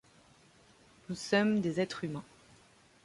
Nous sommes des êtres humains.